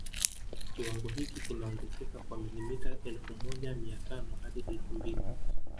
Kiwango hiki kinaongezeka kwa milimita elfu moja mia tano hadi elfu mbili